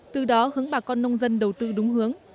từ đó hướng bà con nông dân đầu tư đúng hướng